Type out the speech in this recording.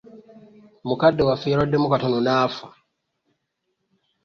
Mukadde waffe yalwaddemu katono n'afa!